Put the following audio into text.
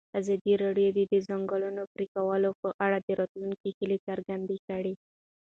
ازادي راډیو د د ځنګلونو پرېکول په اړه د راتلونکي هیلې څرګندې کړې.